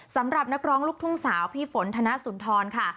สำหรับนักร้องลูกทุ่งสาวพี่ฝนธนสุนทรค่ะ